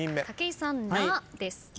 武井さん「な」です。